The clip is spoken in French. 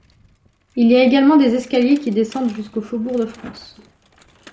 Il y a également des escaliers qui descendent jusqu’au Faubourg de France.